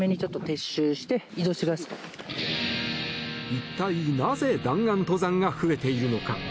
一体なぜ弾丸登山が増えているのか。